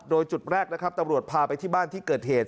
โดยจุดแรกนะครับตำรวจพาไปที่บ้านที่เกิดเหตุ